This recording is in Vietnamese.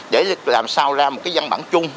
để làm sao ra một dân bản chung